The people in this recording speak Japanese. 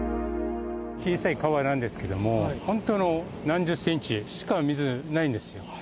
小さい川なんですけれども、本当の何十センチしか、水、ないんですよ。